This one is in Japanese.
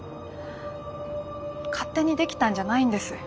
勝手に出来たんじゃないんです。